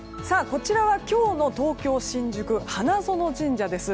こちらは今日の東京・新宿花園神社です。